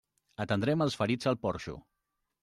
Atendrem els ferits al porxo.